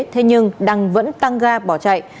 thế nhưng đăng vẫn tăng ga bỏ chạy